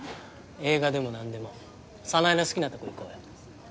映画でも何でも早苗の好きなとこ行こうよ